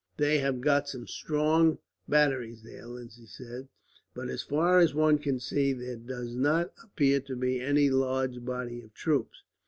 "They have got some strong batteries there," Lindsay said; "but as far as one can see, there does not appear to be any large body of troops.